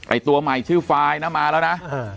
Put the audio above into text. ตัวใหม่ชื่อไฟล์นะมาแล้วนะ